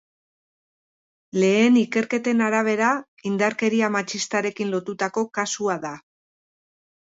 Lehen ikerketen arabera, indarkeria matxistarekin lotutako kasua da.